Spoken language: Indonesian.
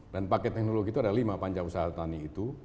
dan paket teknologi itu ada lima panca usaha tani itu